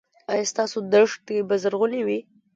ایا ستاسو دښتې به زرغونې وي؟